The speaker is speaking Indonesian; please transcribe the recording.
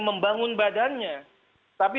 membangun badannya tapi